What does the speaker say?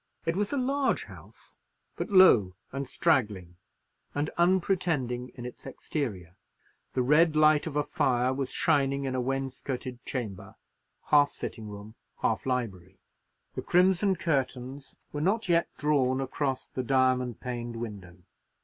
It was a large house; but low and straggling; and unpretending in its exterior. The red light of a fire was shining in a wainscoted chamber, half sitting room, half library. The crimson curtains were not yet drawn across the diamond paned window.